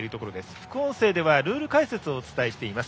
副音声では、ルール解説をお伝えしています。